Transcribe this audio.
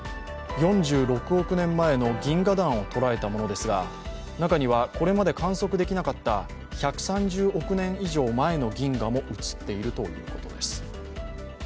４６億年前の銀河団を捉えたものですが中にはこれまで観測できなかった１３０億年以上前の銀河も写っているといいます。